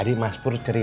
tidak ada yang ngerti